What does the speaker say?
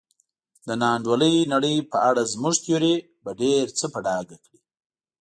د نا انډولې نړۍ په اړه زموږ تیوري به ډېر څه په ډاګه کړي.